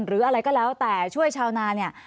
หรืออะไรก็แล้วแต่ช่วยชาวนาเนี่ย